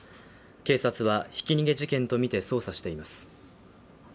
警察はひき逃げ事件とみて捜査しています。